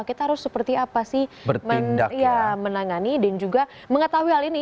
kita harus seperti apa sih menangani dan juga mengetahui hal ini